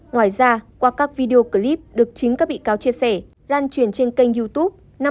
ngoài ra qua các video clip được chính các bị cáo chia sẻ lan truyền trên kênh youtube